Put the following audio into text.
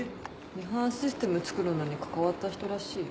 ミハンシステム作るのに関わった人らしいよ。